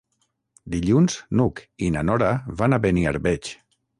Dilluns n'Hug i na Nora van a Beniarbeig.